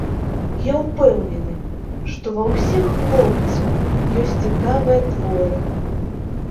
Я ўпэўнены, што ва ўсіх хлопцаў ёсць цікавыя творы.